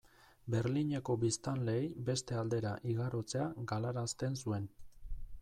Berlineko biztanleei beste aldera igarotzea galarazten zuen.